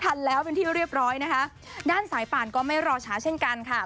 ทันแล้วเป็นที่เรียบร้อยนะคะด้านสายป่านก็ไม่รอช้าเช่นกันค่ะ